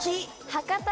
博多